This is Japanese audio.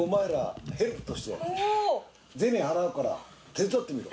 銭払うから手伝ってみろ。